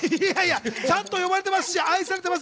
ちゃんと呼ばれてますし、愛されてます！